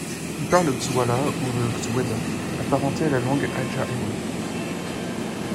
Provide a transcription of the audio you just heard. Ils parlent le Xwla ou le Xwéda apparentés à la langue adja-Ewé.